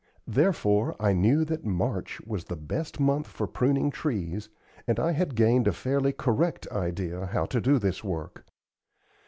Therefore I knew that March was the best month for pruning trees, and I had gained a fairly correct idea how to do this work.